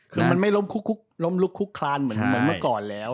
คือมันไม่ร่มลุงคลุกคลานเหมือนเมื่อก่อนแล้ว